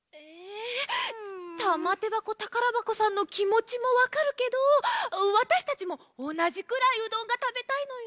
たまてばこたからばこさんのきもちもわかるけどわたしたちもおなじくらいうどんがたべたいのよ。